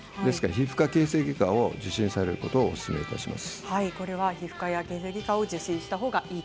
皮膚科形成外科を受診されることをおすすめします。